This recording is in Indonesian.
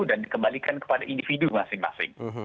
dan dikembalikan kepada individu masing masing